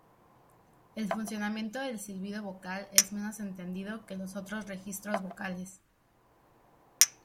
El funcionamiento del silbido vocal es menos entendido que los otros registros vocales.